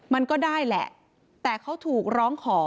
มันก็ได้แหละแต่เขาถูกร้องขอ